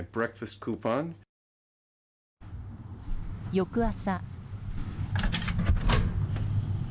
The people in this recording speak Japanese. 翌朝。